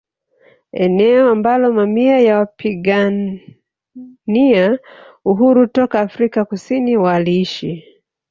Eneo ambalo mamia ya wapigania uhuru toka Afrika Kusini waliishi